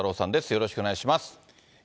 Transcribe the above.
よろしくお願いします。